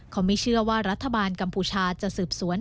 เขาไม่เชื่อว่ารัฐบาลกัมพูชาจะสืบสวน